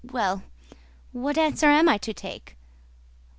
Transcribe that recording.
Well, what answer am I to take?